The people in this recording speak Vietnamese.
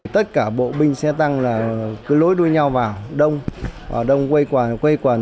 tất cả bộ binh xe tăng là cứ lối đuôi nhau vào đông đông quây quần quây quần